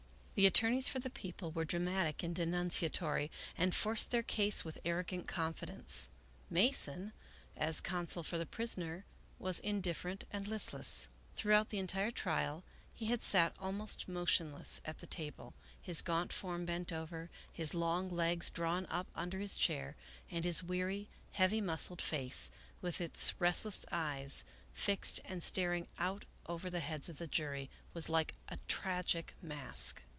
The attorneys for the People were dramatic and denunciatory, and forced their case with arrogant confidence. Mason, as counsel for the prisoner, was indifferent and list less. Throughout the entire trial he had sat almost motion less at the table, his gaunt form bent over, his long legs drawn up under his chair, and his weary, heavy muscled face, with its restless eyes, fixed and staring out over the heads of the jury, was like a tragic mask.